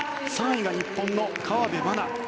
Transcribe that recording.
３位が日本の河辺愛菜。